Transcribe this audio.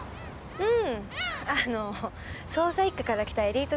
うん。